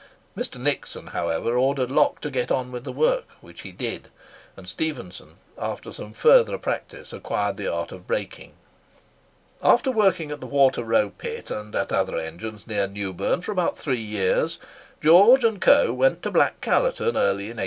Mr. Nixon, however, ordered Locke to go on with the work, which he did; and Stephenson, after some further practice, acquired the art of brakeing. After working at the Water row Pit and at other engines near Newburn for about three years, George and Coe went to Black Callerton early in 1801.